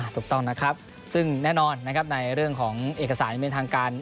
ถูกต้องนะครับซึ่งแน่นอนในเรื่องของเอกสารในเมืองทางการ